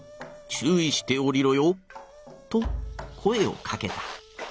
ちゅういしておりろよ』と声をかけた。